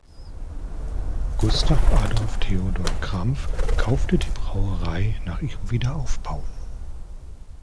Gustav Adolf Theodor Krampf kaufte die Brauerei nach ihrem Wiederaufbau.